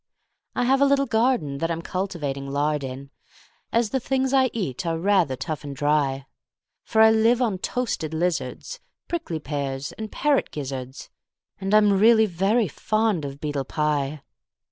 I have a little gardenThat I'm cultivating lard in, As the things I eat are rather tough and dry; For I live on toasted lizards, Prickly pears, and parrot gizzards, And I'm really very fond of beetle pie.